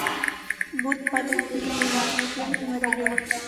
Butch Patrick vive en Long Island, Nueva York.